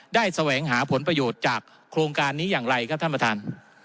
แสวงหาผลประโยชน์จากโครงการนี้อย่างไรครับท่านประธาน